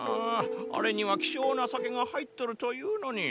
あれには希少な酒が入っとるというのに。